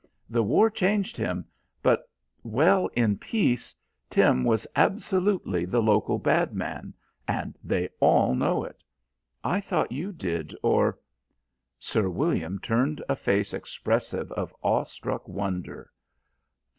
The war changed him, but well, in peace, Tim was absolutely the local bad man, and they all know it. I thought you did, or " Sir William turned a face expressive of awe struck wonder.